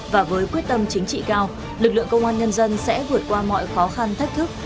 và với quyết tâm chính trị cao lực lượng công an nhân dân sẽ vượt qua mọi khó khăn thách thức